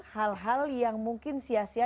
hal hal yang mungkin sia sia